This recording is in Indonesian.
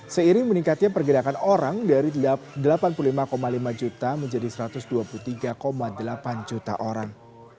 seiring meningkatnya pergerakan orang dari delapan puluh lima lima juta menjadi satu ratus dua puluh tiga delapan juta orang